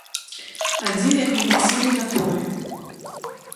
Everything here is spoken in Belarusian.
Адзін, як мы прасілі, на полі.